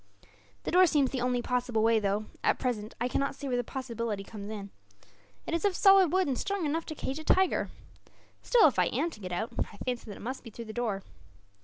"The door seems the only possible way though, at present, I cannot see where the possibility comes in. It is of solid wood, and strong enough to cage a tiger. Still, if I am to get out, I fancy that it must be through the door."